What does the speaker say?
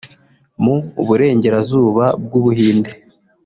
mu burengerazuba bw’u Buhinde